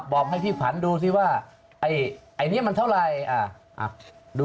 บอกให้พี่ผันดูสิว่าไอ้นี้มันเท่าไหร่